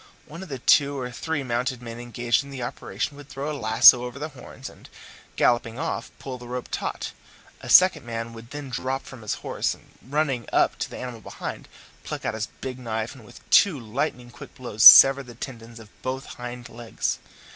One of the two or three mounted men engaged in the operation would throw his lasso over the horns, and, galloping off, pull the rope taut; a second man would then drop from his horse, and running up to the animal behind, pluck out his big knife and with two lightning quick blows sever the tendons of both hind legs.